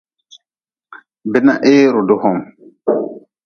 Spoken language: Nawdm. Binahee rudi hom.